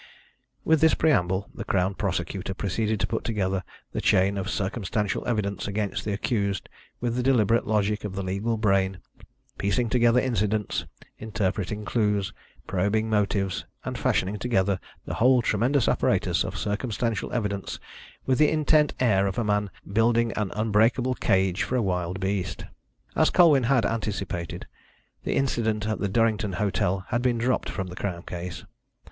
With this preamble, the Crown Prosecutor proceeded to put together the chain of circumstantial evidence against the accused with the deliberate logic of the legal brain, piecing together incidents, interpreting clues, probing motives, and fashioning together the whole tremendous apparatus of circumstantial evidence with the intent air of a man building an unbreakable cage for a wild beast. As Colwyn had anticipated, the incident at the Durrington hotel had been dropped from the Crown case.